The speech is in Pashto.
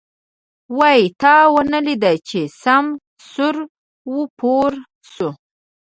وی تا ونه ليده چې سم سور و پور شو.